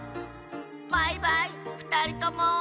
バイバイふたりとも。